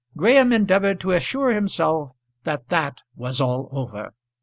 Graham endeavoured to assure himself that that was all over.